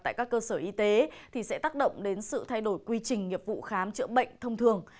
tại các cơ sở y tế thì sẽ tác động đến sự thay đổi quy trình nghiệp vụ khám chữa bệnh thông thường